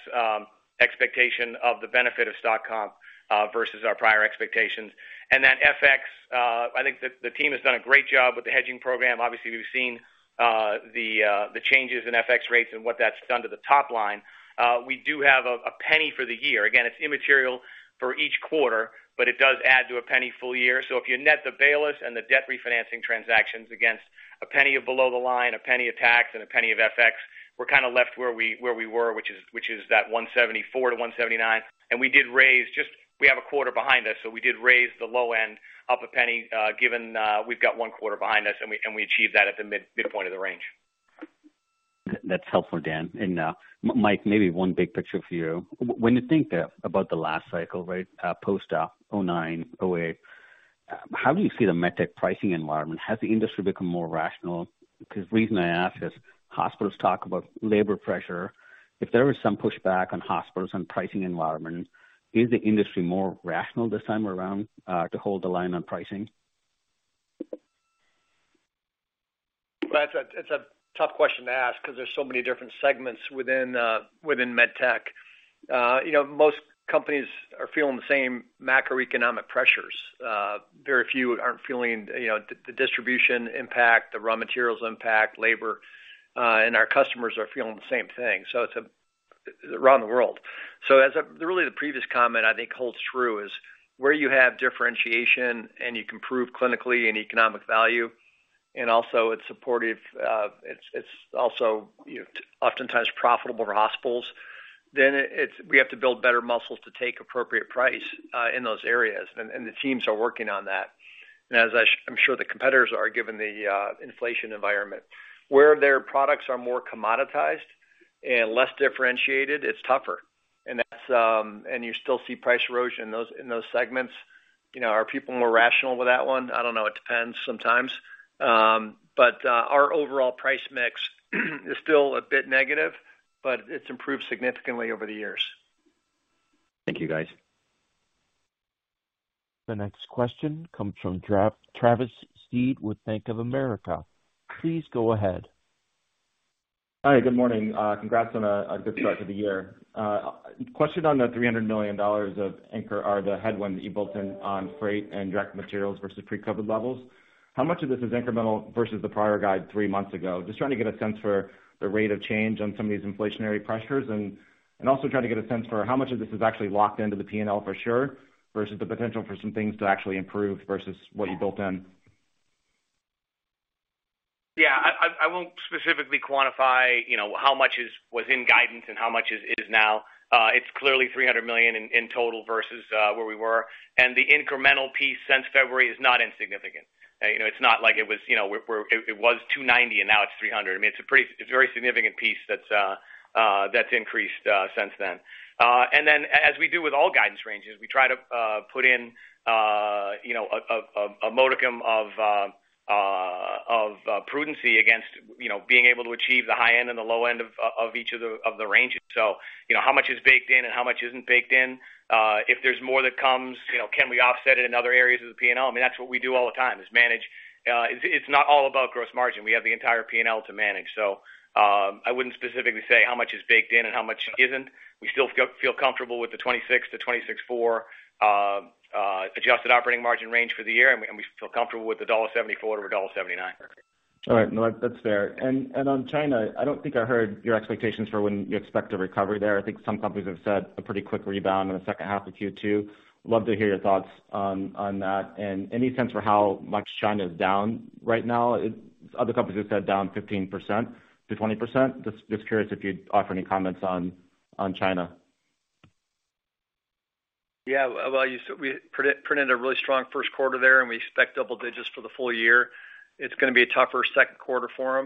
Speaker 4: expectation of the benefit of stock comp versus our prior expectations. That FX, I think the team has done a great job with the hedging program. Obviously, we've seen the changes in FX rates and what that's done to the top line. We do have a $0.01 for the year. Again, it's immaterial for each quarter, but it does add to a $0.01 full-year. If you net the Baylis and the debt refinancing transactions against a penny of below the line, a penny of tax, and a penny of FX, we're kinda left where we were, which is that $1.74-$1.79. We did raise we have a quarter behind us, so we did raise the low end up a penny, given we've got one quarter behind us and we achieved that at the midpoint of the range.
Speaker 10: That's helpful, Dan. Mike, maybe one big picture for you. When you think about the last cycle, post 2009, 2008, how do you see the med tech pricing environment? Has the industry become more rational? Because the reason I ask is hospitals talk about labor pressure. If there is some pushback on hospitals on pricing environment, is the industry more rational this time around, to hold the line on pricing?
Speaker 3: That's a tough question to ask because there's so many different segments within med tech. You know, most companies are feeling the same macroeconomic pressures. Very few aren't feeling, you know, the distribution impact, the raw materials impact, labor, and our customers are feeling the same thing. It's around the world. The previous comment I think holds true, where you have differentiation and you can prove clinically and economic value, and also it's supportive, it's also, you know, often times profitable to hospitals, then it's we have to build better muscles to take appropriate price in those areas. The teams are working on that. I'm sure the competitors are given the inflation environment. Where their products are more commoditized and less differentiated, it's tougher. That's, and you still see price erosion in those segments. You know, are people more rational with that one? I don't know. It depends sometimes. Our overall price mix is still a bit negative, but it's improved significantly over the years.
Speaker 10: Thank you, guys.
Speaker 1: The next question comes from Travis Steed with Bank of America. Please go ahead.
Speaker 11: Hi, good morning. Congrats on a good start to the year. Question on the $300 million of anchored headwinds that you built in on freight and direct materials versus pre-COVID levels. How much of this is incremental versus the prior guide three months ago? Just trying to get a sense for the rate of change on some of these inflationary pressures and also try to get a sense for how much of this is actually locked into the P&L for sure versus the potential for some things to actually improve versus what you built in.
Speaker 4: I won't specifically quantify, you know, how much was in guidance and how much is now. It's clearly $300 million in total versus where we were. The incremental piece since February is not insignificant. You know, it's not like it was 290 and now it's 300. I mean, it's a very significant piece that's increased since then. As we do with all guidance ranges, we try to put in, you know, a modicum of prudency against being able to achieve the high end and the low end of each of the ranges. You know, how much is baked in and how much isn't baked in? If there's more that comes, you know, can we offset it in other areas of the P&L? I mean, that's what we do all the time, is manage. It's not all about gross margin. We have the entire P&L to manage. I wouldn't specifically say how much is baked in and how much isn't. We still feel comfortable with the 26%-26.4% adjusted operating margin range for the year, and we feel comfortable with the $74-$79.
Speaker 11: All right. No, that's fair. On China, I don't think I heard your expectations for when you expect a recovery there. I think some companies have said a pretty quick rebound in the second half of Q2. Love to hear your thoughts on that. Any sense for how much China is down right now? Other companies have said down 15%-20%. Just curious if you'd offer any comments on China.
Speaker 3: Yeah. Well, we printed a really strong first quarter there, and we expect double digits for the full-year. It's gonna be a tougher second quarter for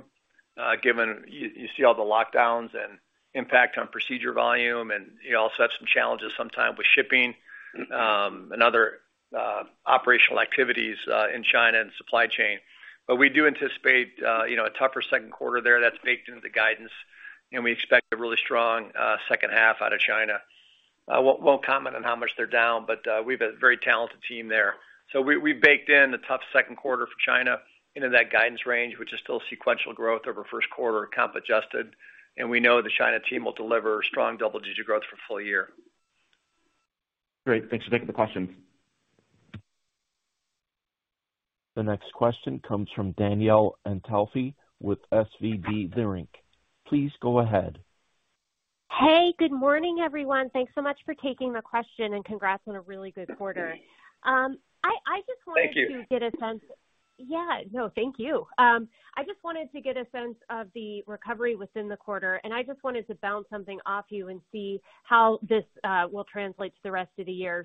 Speaker 3: them, given you see all the lockdowns and impact on procedure volume, and you also have some challenges sometimes with shipping, and other operational activities in China and supply chain. We do anticipate, you know, a tougher second quarter there that's baked into the guidance, and we expect a really strong second half out of China. I won't comment on how much they're down, but we have a very talented team there. We baked in the tough second quarter for China into that guidance range, which is still sequential growth over first quarter comp adjusted. We know the China team will deliver strong double-digit growth for full-year.
Speaker 11: Great. Thanks for taking the question.
Speaker 1: The next question comes from Danielle Antalffy with SVB Leerink. Please go ahead.
Speaker 12: Hey, good morning, everyone. Thanks so much for taking the question, and congrats on a really good quarter.
Speaker 3: Thank you.
Speaker 12: Yeah. No, thank you. I just wanted to get a sense of the recovery within the quarter, and I just wanted to bounce something off you and see how this will translate to the rest of the year.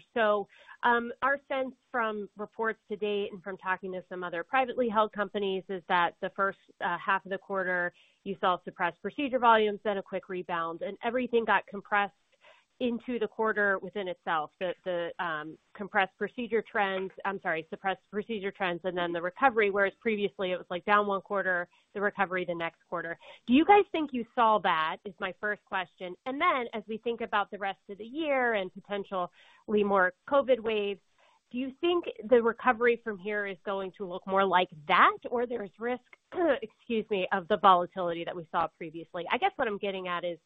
Speaker 12: Our sense from reports to date and from talking to some other privately held companies is that the first half of the quarter you saw suppressed procedure volumes, then a quick rebound, and everything got compressed into the quarter within itself. The suppressed procedure trends and then the recovery, whereas previously it was, like, down one quarter, the recovery the next quarter. Do you guys think you saw that? Is my first question. As we think about the rest of the year and potentially more COVID waves, do you think the recovery from here is going to look more like that or there's risk, excuse me, of the volatility that we saw previously? I guess what I'm getting at is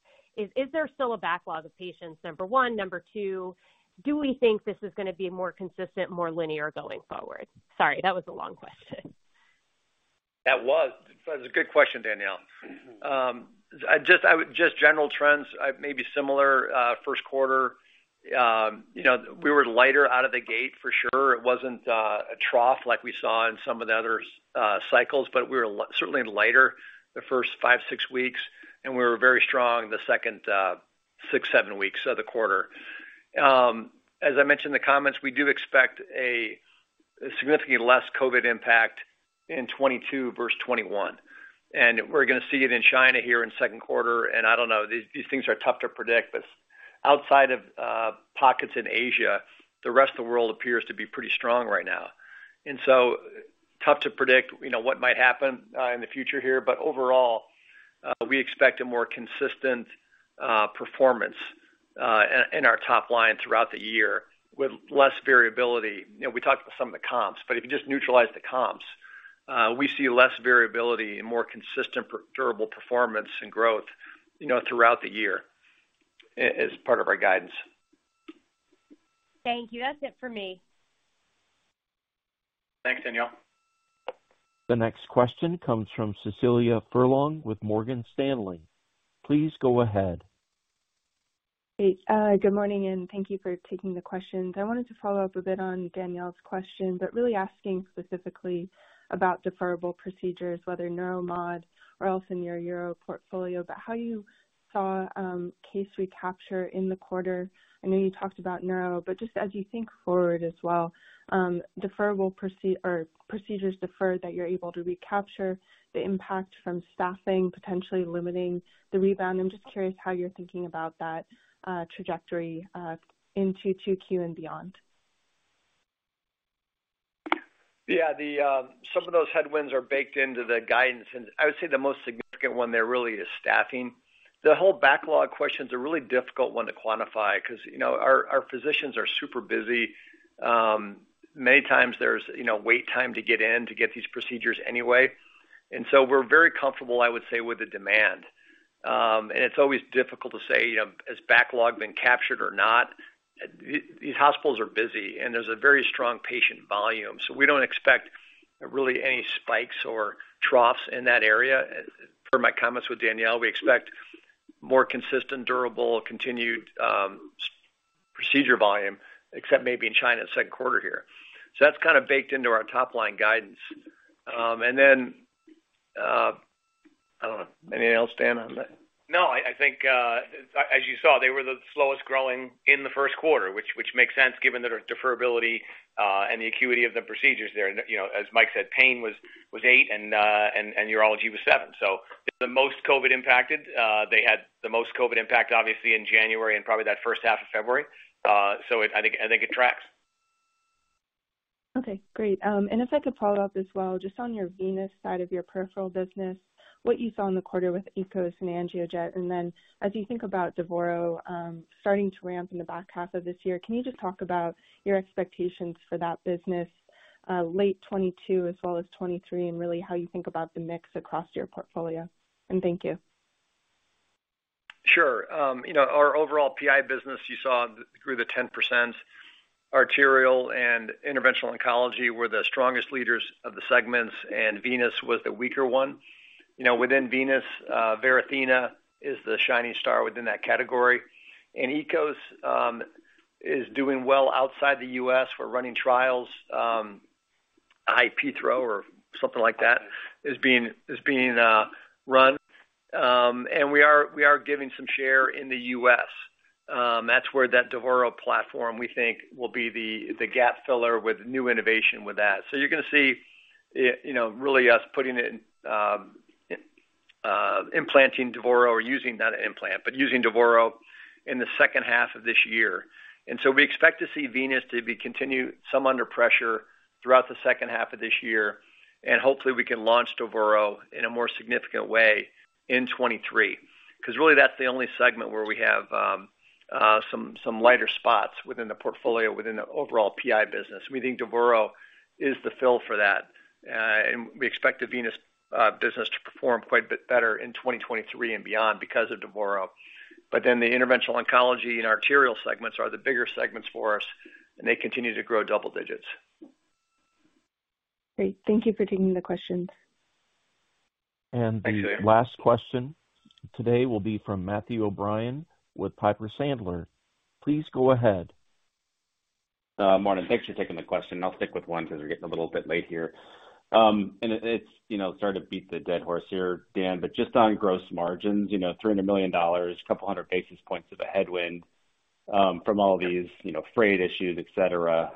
Speaker 12: there still a backlog of patients, number one? Number two, do we think this is gonna be more consistent, more linear going forward? Sorry, that was a long question.
Speaker 3: It was a good question, Danielle. Just general trends, maybe similar first quarter. You know, we were lighter out of the gate for sure. It wasn't a trough like we saw in some of the other cycles, but we were certainly lighter the first five, six weeks, and we were very strong the second six, seven weeks of the quarter. As I mentioned in the comments, we do expect a significantly less COVID impact in 2022 versus 2021, and we're gonna see it in China here in second quarter. I don't know, these things are tough to predict, but outside of pockets in Asia, the rest of the world appears to be pretty strong right now. Tough to predict, you know, what might happen in the future here. But overall, we expect a more consistent performance in our top line throughout the year with less variability. You know, we talked about some of the comps, but if you just neutralize the comps, we see less variability and more consistent predictable durable performance and growth, you know, throughout the year as part of our guidance.
Speaker 12: Thank you. That's it for me.
Speaker 3: Thanks, Danielle.
Speaker 1: The next question comes from Cecilia Furlong with Morgan Stanley. Please go ahead.
Speaker 13: Hey, good morning, and thank you for taking the questions. I wanted to follow up a bit on Danielle's question, but really asking specifically about deferrable procedures, whether neuromod or else in your Euro portfolio, but how you saw case recapture in the quarter. I know you talked about neuro, but just as you think forward as well, deferrable procedures deferred that you're able to recapture the impact from staffing potentially limiting the rebound. I'm just curious how you're thinking about that trajectory into 2Q and beyond.
Speaker 3: Yeah. Some of those headwinds are baked into the guidance, and I would say the most significant one there really is staffing. The whole backlog question's a really difficult one to quantify because you know our physicians are super busy. Many times there's you know wait time to get in to get these procedures anyway. We're very comfortable, I would say, with the demand. It's always difficult to say you know has backlog been captured or not. These hospitals are busy, and there's a very strong patient volume, so we don't expect really any spikes or troughs in that area. Per my comments with Danielle, we expect more consistent, durable, continued procedure volume, except maybe in China second quarter here. That's kind of baked into our top line guidance. I don't know. Anything else, Dan, on that?
Speaker 4: No. I think as you saw, they were the slowest growing in the first quarter, which makes sense given the deferability and the acuity of the procedures there. You know, as Mike said, pain was 8% and urology was 7%. The most COVID-impacted, they had the most COVID impact obviously in January and probably that first half of February. I think it tracks.
Speaker 13: Okay, great. If I could follow up as well, just on your venous side of your peripheral business, what you saw in the quarter with EKOS and AngioJet, and then as you think about Devoro, starting to ramp in the back half of this year, can you just talk about your expectations for that business, late 2022 as well as 2023, and really how you think about the mix across your portfolio? Thank you.
Speaker 3: Sure. You know, our overall PI business you saw grew to 10%. Arterial and interventional oncology were the strongest leaders of the segments, and venous was the weaker one. You know, within venous, Varithena is the shining star within that category. EKOS is doing well outside the U.S. We're running trials, HI-PEITHO or something like that is being run. We are gaining some share in the U.S. That's where that Devoro platform we think will be the gap filler with new innovation with that. You're gonna see, it, you know, really us putting it, implanting Devoro or using that implant, but using Devoro in the second half of this year. We expect to see venous to continue to be somewhat under pressure throughout the second half of this year, and hopefully we can launch Devoro in a more significant way in 2023, because really that's the only segment where we have some lighter spots within the portfolio, within the overall PI business. We think Devoro is the fill for that. We expect the venous business to perform quite a bit better in 2023 and beyond because of Devoro. The interventional oncology and arterial segments are the bigger segments for us, and they continue to grow double digits.
Speaker 13: Great. Thank you for taking the questions.
Speaker 1: The last question today will be from Matthew O'Brien with Piper Sandler. Please go ahead.
Speaker 14: Morning. Thanks for taking the question. I'll stick with one because we're getting a little bit late here. It's, you know, sorry to beat the dead horse here, Dan, but just on gross margins, you know, $300 million, 200 basis points of a headwind from all these, you know, freight issues, etc.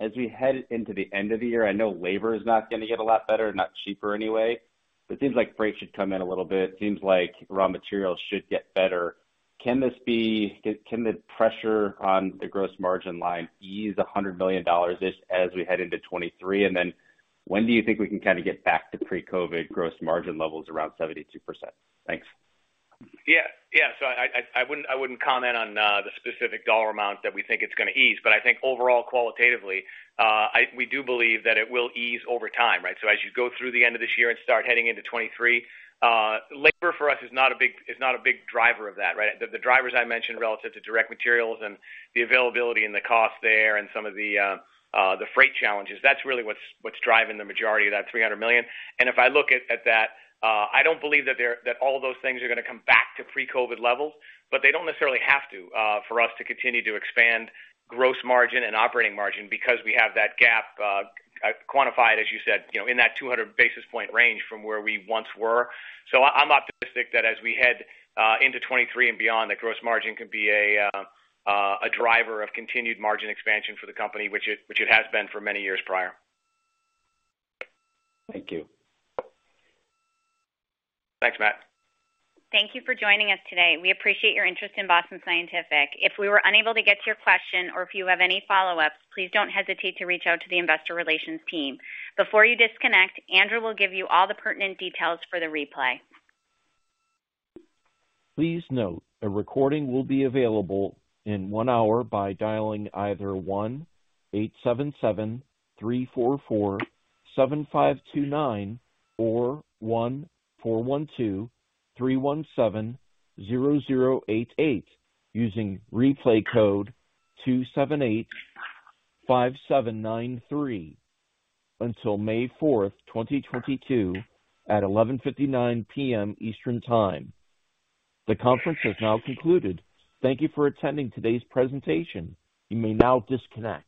Speaker 14: As we head into the end of the year, I know labor is not gonna get a lot better, not cheaper anyway, but it seems like freight should come in a little bit. It seems like raw materials should get better. Can the pressure on the gross margin line ease $100 million as we head into 2023? And then when do you think we can kind of get back to pre-COVID gross margin levels around 72%? Thanks.
Speaker 4: Yeah. I wouldn't comment on the specific dollar amount that we think it's gonna ease. I think overall qualitatively, we do believe that it will ease over time, right? As you go through the end of this year and start heading into 2023, labor for us is not a big driver of that, right? The drivers I mentioned relative to direct materials and the availability and the cost there and some of the freight challenges, that's really what's driving the majority of that $300 million. If I look at that, I don't believe that that all of those things are gonna come back to pre-COVID levels, but they don't necessarily have to for us to continue to expand gross margin and operating margin because we have that gap quantified, as you said, you know, in that 200 basis point range from where we once were. I'm optimistic that as we head into 2023 and beyond, that gross margin can be a driver of continued margin expansion for the company, which it has been for many years prior.
Speaker 14: Thank you.
Speaker 4: Thanks, Matt.
Speaker 2: Thank you for joining us today. We appreciate your interest in Boston Scientific. If we were unable to get to your question or if you have any follow-ups, please don't hesitate to reach out to the investor relations team. Before you disconnect, Andrew will give you all the pertinent details for the replay.
Speaker 1: Please note a recording will be available in one hour by dialing either 1-877-344-7529 or 1-412-317-0088 using replay code 2785793 until May 4, 2022 at 11:59 P.M. Eastern Time. The conference has now concluded. Thank you for attending today's presentation. You may now disconnect.